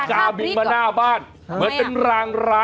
กราบนี่รถ